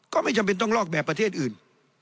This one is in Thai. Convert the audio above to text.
ก็ไม่จำเป็นต้องลอกแบบประเทศอื่น